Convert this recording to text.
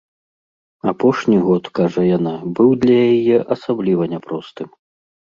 Апошні год, кажа яна, быў для яе асабліва няпростым.